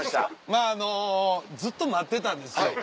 まぁあのずっと待ってたんですよ。